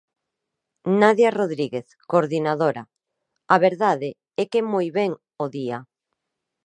Nadia Rodríguez, coordinadora: A verdade é que moi ben, o día.